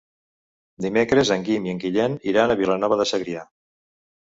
Dimecres en Guim i en Guillem iran a Vilanova de Segrià.